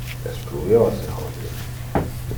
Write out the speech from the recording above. Es pluviose hodie.